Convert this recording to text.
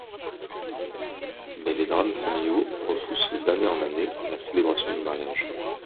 Mais les drames familiaux repoussent d'année en année la célébration du mariage.